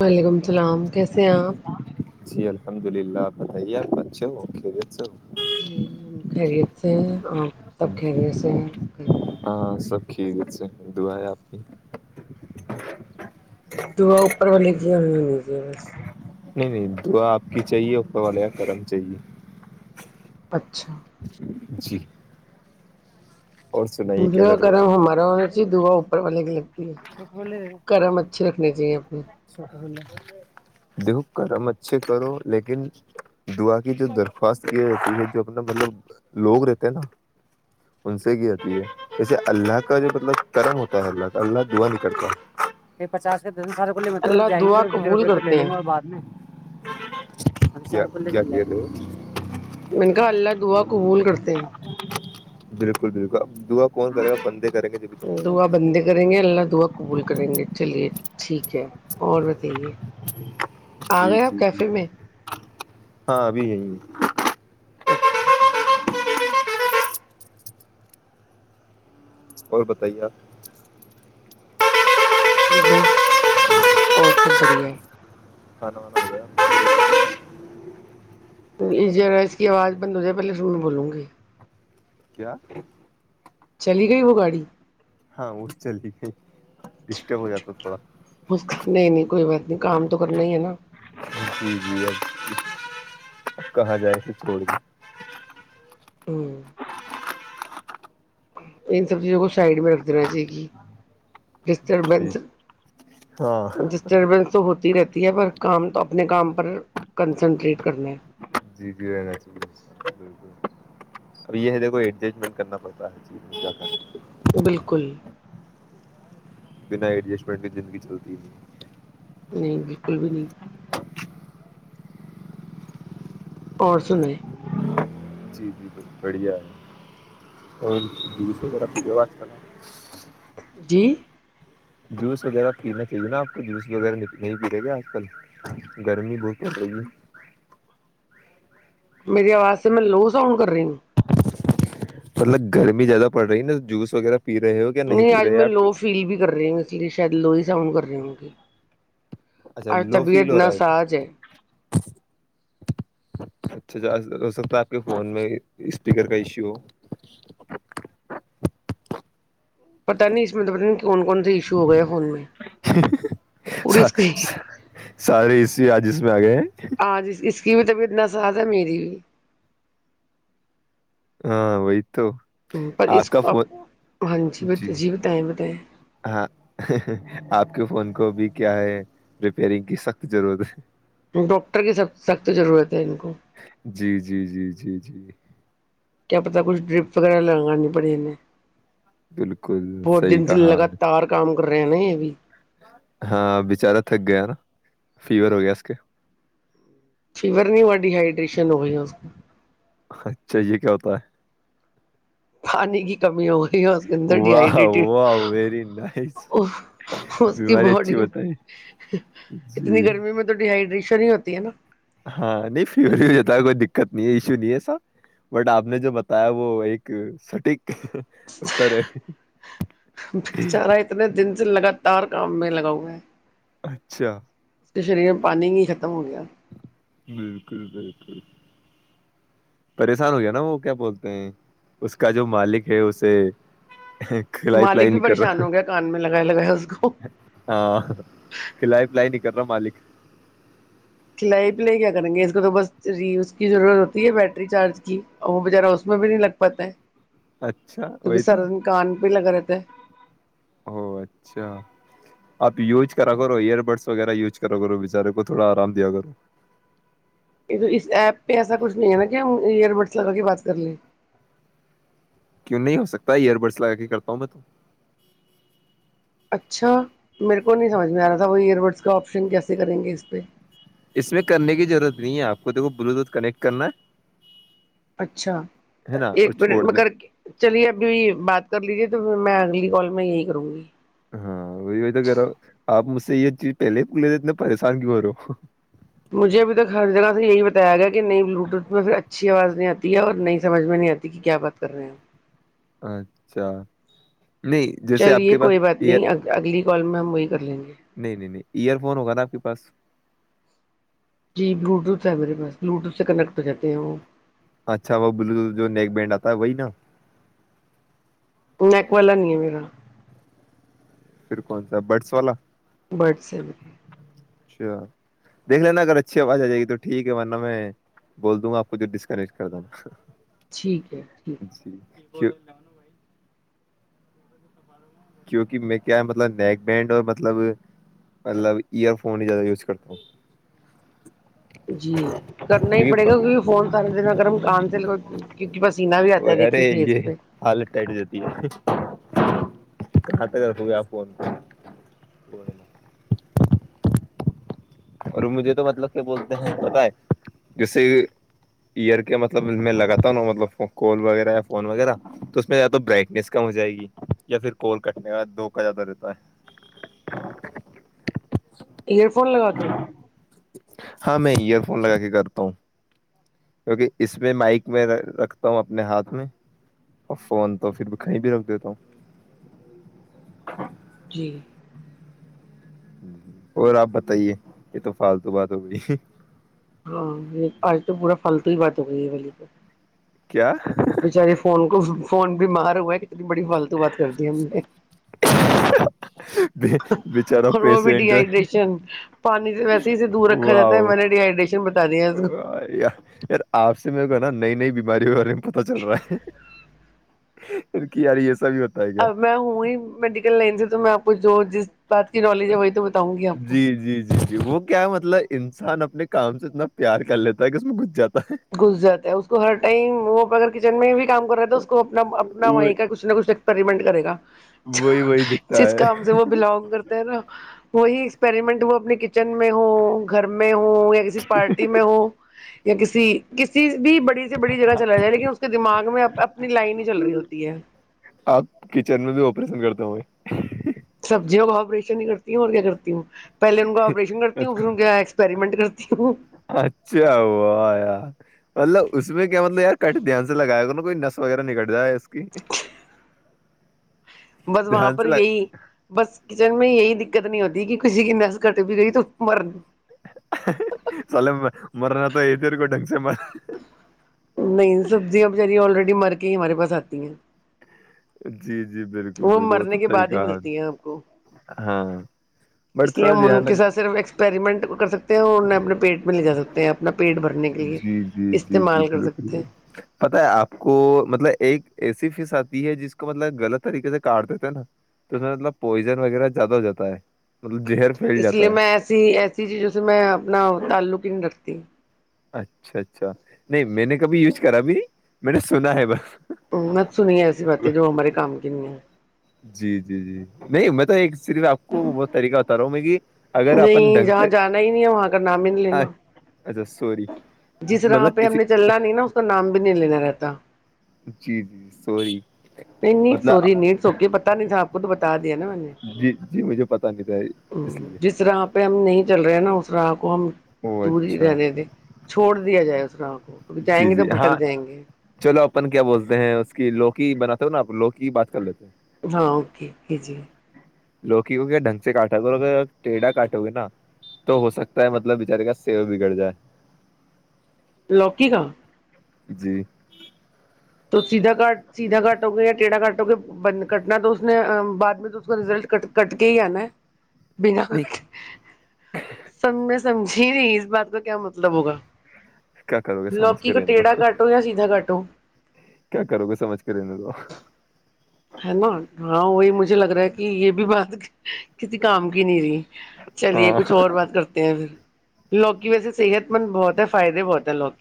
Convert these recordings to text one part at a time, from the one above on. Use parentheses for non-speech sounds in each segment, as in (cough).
وعلیکم السلام کیسے ہیں آپ جی الحمد للہ ار پنچ کے س جی ہم خیریت سے آپ تب خیریت سے ہیں کر ھیک سے دع ہے آپ کی دو اپر والے کی ب نہیں نہیں دعا آپ کی چاہیے والالیا کرم چاہیے اچھا جی اور سنائیے کیا مسرا کر رہے ہو کرم ہمارا ہونا چاہیے دا اوپر والگ لگتی ہے کرم اچھے رکھنی چاہیے اپنے دیکھو کرم اچھے کرو لیکن دعا کی جو درخواست کی جاتی ہے جو اپنا مطلب لوگ رہتے ہیں نا ان سے کی آتی ہے جیسے اللہ کا جو مطلب کرم ہوتا ہے اللہ کا اللہ دعا نہیں کرتااس سارے کوے مطل تو اللہ ج گی دعا پھرے قبول پڑے تو لے کرتے لیں ہیں گا اور بعد میں (unintelligible) انن کا اللہ دعا قبول کرتے ہیں بالکل بالکل دوا کون کرے گا بند دعا بندے کریں گے اللہ دعا قبول کریں گے چلیے ٹھیک ہے اور بتائیے آ جی گئے آپ جی جی کیفے میں ہاں ابھی یہ ہاں اوکے اوے اور بتائیےپ بس اور سب بڑھیا ہے ہ نے جرا اس کی آواز بند ہو جائے پہلے سون بولوں گی کیا چلی گئی وہ گاڑی ہاں وہ چلی گئی ڈسٹرب ہو جاتا تھوڑا اچ نہیں نہیں کوئی بات کام تو کرنا ہی ہے نا جی جی اب کہاں جائے کہ چھوڑ کے ہ (unintelligible) ان سب چیزوں کو سائڈ میں رکھ دینا چاہیے کہ جی ڈسٹربنس ہاں ڈسٹربینس تو ہوتی رہتی پر کام تو اپنے کام پر کنسنٹریٹ کرنا ہے جی جی رہنا چاہیے بالک اب یہ ہے دیکھ ایڈسٹمنٹ کرنا پڑتا ہے بالکل بنا ایڈجسٹمنٹ کے زندگی چلتی ہی نہیں نہیں بالکل بھی نہیں اور سن (unintelligible) جی جی ب بڑھیا ہے اورس وغیرہ کی بات کرنا جی جوس وغیرہ پا چاہیے نا آپ کو جوس وغیرہ نہیں پی رہے گے آج کل گرمی بہت پ رہی ہے میری آواز سے میں لو ساؤنڈ کر رہی ہوں مطلب گرمی زیادہ پڑ رہی نا جوس وغیرہ پی رہے ہو کیا نہیں پی آج رہے میں آپ لو فیل بھی کر رہی ہوں اس لیے شاید لو ہی ساؤنڈ کر رہی ہوں گی اچھا اورر لو فیل طبیعت ہو رہا نا ساز ہے اچھا ہو سکتا ہے آپ کے فون میں اسپیکر کا ایشو ہو پتا نہیں اس مطلب کون کون سےا ایشو ہو گئے فون میں پوری اسکرین جی آجیش میں آ گئے ہیں آاں ج اس (unintelligible) کی بھی تب اتنا ساتھ ہے میری بھی ہاں وئیت تو پر آپ اس کا کو اب فون ہاں بت جی بتائیں بتائیں ہاں آپ آ کے فون کو بھی کیا ہے ریپیئرنگ کی سخت ضرورت ہے (unintelligible) ڈاکٹر کی سخ سخت ضرورت ہے ان کو ہے جی جی جی جی جی کیا پتا کچھ ڈرپ وغیرہ ل گا نہیں بڑیں بالکل صحی کہ رہنے ہے بھی ہاں بچارا تھک گیا نا فیور ہو گیا اس کے فیور نہیں ہوا ڈیہائیڈریشن ہو گئی اس کو اچھا یہ کیا ہوتا ہے پانی کی کمی ہو اس کے اندر ڈ واہ ہائڈریٹیڈ واہ ویری نائس اس کی بیماری اچھی باڈی بتائی اتنی جی گرمی میں تو ڈ ہائڈریشن شریع ہوتی ہے نا ہاں نہیں فیور جتا ہے کوئی دقت نہیں ہے ایشو نہیں ہے ایسا بٹ آپ نے جو بتایا وہ ایک سٹیک بیےچارہ اتنے دن سے لگاتار (unintelligible) گمب لگاؤے اچھا پانی ہی ختم ہو گیا بالکل بالکل پریشان ہو گیا نا وہ کیا بولتے ہیں اس کا جو مالک ہے اسے کل مالک پلائی بھی نہیں کر پریشان رہا ہو گیا کان میں لگائے لگایا اس کو ہاں کل پلائی کرا مالک (unintelligible) کھلائی پلائی کیا کریں گے اس کو تو بس ری اس کی ضرورت ہوتی ہے بیٹری چارج کی اور وہ بچارہ اس میں بھی نہیں لگ پاتا ہے اچھا ت بھی وہی تو سارا دن کان پہ لگا رہے تھ (unintelligible) او اچھا آپ یوز کرا کرو ایئر بڈس وغیرہ یوز کرا کرو بچارے کو تھوڑا آرام دیا کرو یہ تو اس ایپ پہ ایسا کچھ نہیں ہے نا کہ ہم ایئر بڈس لگا کے بات کر لیں کیوں نہیں ہو سکتا ایئر بڈس لگا کے کرتا ہوں میں تو اچھا میر کو نہیں سجھ میں آ رہ تھا کوئی ایئروورٹ اس کا آپشن کیسے کریں گے اس پہ اس میں کرنے کی ضرورت نہیں ہے آپ کو دیکھ بلوٹوتھ کنیکٹ کرنا ہے اچھا ہے نا اور ایک منٹ چھوڑ میں دیں کر کے چلیے ابھی بات کر لیجیے تو میں اگلی کال میں یہی کروں گی ہاں وہی وہی تو کہہ رہا ہو آپ مجھ سے یہ چیز پہلے ہی بک لیتے اتنے پریشان کیوں ہو رہو ہو مجھے ابھی تک ہر جگہ سے یہی بتایا گیا کہ نئی بلوٹوتھ میں پھر اچھی آواز نہیں آتی ہے اور نئی سمجھ میں نہیں آتی کہ کیا بات کر رہے ہیں اچھا نہیں جیسے آپ چلیے کے پاس کوئی بات ایئر نہیں اگلی گل میںم وہی کر لینی نہیں نہیں نہیں ایئر فون ہوگا نا آپ کے پاس جی بلوٹوتھ ہے میرے پاس بلوٹوتھ سے کنیکٹ ہو جاتے ہیں وہ اچھا وہ بلو جو نیک بینڈ آتا ہے وہی نا مک والا نہیں ہے میرا (unintelligible) پھر کون سا ہے بٹس والا برڈ سے بھی اچھا دیکھ لینا اگر اچھی آواز آ جائے گی تو ٹھیک ہے ورنہ میں بول دوں گا آپ کو جو ڈسکریج کر د ٹھیک ہے ٹھیک ش ل نو بھائی (unintelligible) کیونکہ میں کیا مطلب نیک بینڈ اور مطلب مطلب ایئر فون ہی زیادہ یوز کرتا ہوں جی کرنا ہی پڑے گا کیونکہ کیکہ فون سارے دن اگر ہم کان سے ل کیونکہ پسینہ بھی آتا ہے ارے دیکھیے فیس یہ پہ حالت خات کر خب آپو (unintelligible) اور مجھے تو مطلب کیا بولتے ہیں پت ہے جیسے ایئر کے مطلب میں لگاتا ہوں نا مطلب کوال وغیرہ یا فون وغیرہ تو اس میںد برائٹنیس کم ہو جائے گی یا پھر کل کٹنے کا دوکا زیادہ رہتا ہے ئ (unintelligible) فون لگا کے ہاں میں ایئر فون لگا کے کرتا ہوں کیونکہ اس میں مائک میں رکھتا ہوں اپنے ہاتھ میں اور فون تو پھر کہیں بھی رکھ دیتا ہوں جی اور آپ بتائیے یہ تو فالتو بات ہو گئی ہاں یہ آج تو پورا فالتو ہی بات ہو گئی ہے بلی تو کیا بچاری فون کو فون بھی مار ہو اتنی بڑی فالتو بات کر دی ہے م نے بچارا اور وہ بھی پیشنٹ ڈیہائیڈریشن پانی سے ویسے ہیے دور رکھا جاتا ہے واؤ میں نے ڈیہائیڈریشن بتا دیا اس کو یار یار آپ سے میرے کو نا نئی نئی بیماریوں کے بارے میں پتا چل رہا ہے پھر کیی رہ ہے س اب میں ہوں ہی میڈیکل لائن سے تو میں آپ کو جو جس بات کی نالج ہے وہی تو بتاؤں گی آپ کو جی جی جی وہ کیا ہے مطلب انسان اپنے کام سے اتنا پیار کر لیتا ہے کہ اس میں گس جاتا ہے گز جرتا ہے اس کو ہر ٹائم وہ اگر جن میں بھی کام کر رہا ہے تو اس کو اپنا اپنا وہ وہیں کا کچھ نہ کچھ ایکسپریمنٹ کرے گا وہی وہی دکھتا جس ہے کام سے وہ بلونگ کرتا ہے نا وہی ایکسپریمنٹ وہ اپنے چن میں ہو گھر میں ہو یا کسی پارٹی میں ہو یا کسی س کسیز بھی بڑی سے بڑی جگہ چلا جائے لیکن اس کے دماغ میں اپنی لائن ہی چل رہی ہوتی ہے تو سبزیوں کا آابریشن نہیں کرتی ہوں اور کیا کرتی ہوں پہلے ان کا آپریشن کرتی ہوں پھر ان کے ایکسپریمنٹ کرتی ہ اچھا ہو یار مطلب اس میں کیا مطلب یار کٹ دھیان سے لگایا گ نا کوئی نس وغیرہ نکٹ جائے اس کی بس وہاں دھیان پر سے لگ یہی بس کچن میں یہی دقت نہیں ہوتی کہ کسی کی گٹ بھی گئی تو مرن سل مر نہ تو یہ تیر کو ڈھنگ سے مر نہیں تی ہیں (unintelligible) بالکل وہ بالکل تو مرنے کے صحیح بعد ہی کہا ملتی ہیں آپ کو ہاں بٹ اس لیے تھوڑا ہم ان دھیان کے رکھ ساتھ صرف ایکسپریمنٹ کر سکتے ہیں اورہیں اپنے پیٹ میں لے جا سکتے ہیں اپنا پیٹ بھر جی جی جی جی بالکل ہیں پت ہے آپ کو مطلب ایک ایسی فس آتی ہے جس کو مطلب غلط طریقے سے کاٹ دیتے تھے نا تو اس میں مطلب پوائزن وغیرہ زیادہ ہو جاتا ہے مطلب زہر پھیل اس لیے جاتا ہے میں ایسی ایسی چیزوں سے میں اپنا تعلق نہیں رکھتی ت اچھا اچھا نہیں میں نے کبھی یوز کرا اب میں نے سنا ہے بس ہ میں سنی ہے ایسی باتیں جو ہمارے کام کی نہیں ہے جی جی جی نہیں میں تو ایک صرف آپ کو بہت طریقہ بتا رہا ہوں میں کہ اگر ہے اپن نہیں ڈھنگ جہاں سے جانا ہی نہیں ہے وہاں کا نام ہی نہیں لینا اچھا سوری جس راہ مطلب پہ ہم کسی نے چلنا نہیں نا اس کا نام بھی نہیں لینا رہتا جی جی سوروری نیٹ سوری نید سوک پت نہیں تھا آپ کو تو بتا دیا نا میں نے جی جی مجھے پتا نہیں تھا اس لیے جس طرح پہ ہم نہیں چل رہے نا اس خرابپ کو ہم او دور ہی اچھا رہنے دیں چھوڑ دیا جائے اس راہ کو ک جائیں جی گے تو جی ہاں بھٹک جائیں گے چلو اپن کیا بولتے ہیں اس کی لوکی بناتے نا آپ لوگ کی بات کر لیتے ہیں ہاں اوکے بھیجی گئے لوکی کو کیا ڈھنگ سے کاٹا گ اور ا ٹیھا کاٹو گے نا تو ہو سکتا ہے مطلب بچارے کا سیو بگڑ جائے لکی کا جی تو سیدھا کاٹ سیدھا کاٹو گے یا ٹیڑھا کاٹو گے کٹنا تو اس نے بعد میں تو اس کا رزلٹ ک کٹ کے ہی آنا ہے بنا نہیں س سمجھی نہیں اس بات کا کیا مطلب ہوگا کیا کرو گے سمجھ لوکی کے کو رہنے دو ٹیڑا کٹو یا سیدھا کاٹو کیا کرو گے سمجھ کرنے کو ہے نا ہاں وہی مجھے لگ رہا ہے کہ یہ بھی بات کسی کام کی نہیں رہی چلیے ہاں کچھ اور بات کرتے ہیں پھر لوکی ویسے صحت مند بہت ہے فائدے بہت لوک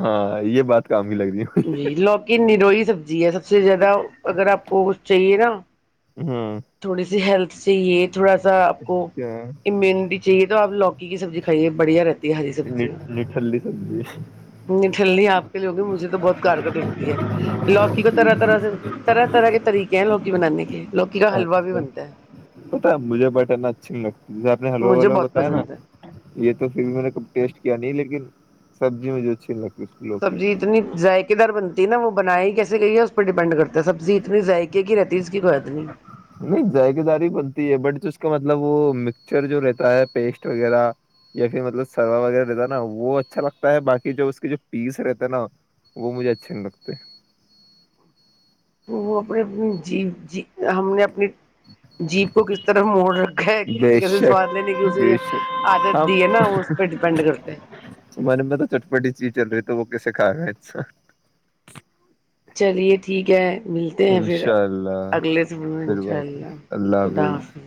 ہاں یہ بات کام کی لگ رہی ہے۔ جی لوکی نیروئی سبزی ہے سب سے زیادہ اگر آپ کو کچھ چاہیے نا ہاں تھوڑی سی ہیلتھ سے یہ تھوڑا سا آپ کو کیا امیونٹی چاہیے تو آ لوکی کی سبزی کائیے بڑیا رہتی ہری نٹھلی سبزی سبزیاںٹھللی آپ کے لوگ مجھے تو بہت کارگگر لگتی ہے لوکی کو طرح طرح سے طرح طرح کے طریقے ہیں لوکی بنانے کے لوکی کا حلوا بھی اچھا بنتا ہے پتا ہے مجھے بٹن اچھی نہیں لگتی جیسے آپ نے حلوا مجھے والا بہت بتایا نا پسند ہے یہ تو پھر بھی میں نے کب ٹیسٹ کیا نہیں لیکن سبزی مجھے اچھی لگتی اس کی لوکی کی۔ سبزی اتنی ذائقے دار بنتی ہے نا وہ بناائی ہی کیے گئی ہے اس پ پر ڈیپینڈ کرتے ہیں سب نہیں ذائقے داری بنتی ہے بٹ تو اس کا مت مطلب وہ مکسچر جو رہتا ہے پیسٹ وغیرہ یا پھر مطلب سروا وغیرہ رہتا ہے نا وہ اچھا لگتا ہے باقی جو اس کے جو پیس رہتا ہے نا وہ مجھے اچھے نہیں لگتے تو وہ اپنے اپنی جی ج ہم نے اپنی جیپ کو کس طرح موڑ رکھا ہے کیسے بے کیسے شک سواد لینے کی اسے بے شک عادت ہاں دی ہے نا وہ اس پہ ڈیپینڈ کرتے ہیں کے سکھا رہا ہیں س وق چلیے ٹھیک ہے ملتے ہیں پھر انشاء اللہ اگلے دب میں ان پھر شاء بات ہوگی، اللہ اللہ خدا حافظ